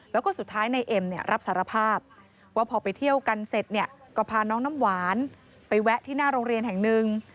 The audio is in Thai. แล้วก็สุดท้ายในเอ็มรับสารภาพว่าพอไปเที่ยวกันเสร็จเนี่ยก็พาน้องน้ำหวานไปแวะที่หน้าโรงเรียนแห่งหนึ่ง